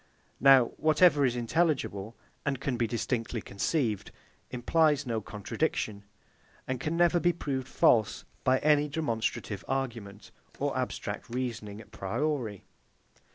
Now whatever is intelligible, and can be distinctly conceived, implies no contradiction, and can never be proved false by any demonstrative argument or abstract reasoning à priori.